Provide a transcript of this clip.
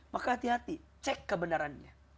maka hati hati cek kebenarannya